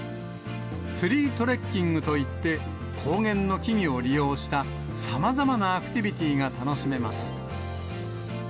ツリートレッキングといって、高原の木々を利用したさまざまなアクティビティーが楽しめます。